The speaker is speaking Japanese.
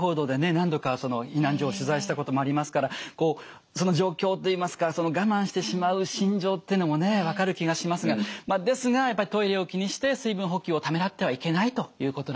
何度かは避難所を取材したこともありますからその状況といいますか我慢してしまう心情っていうのもね分かる気がしますがですがやっぱりトイレを気にして水分補給をためらってはいけないということなんですね。